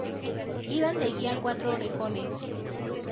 Iban de guía cuatro orejones.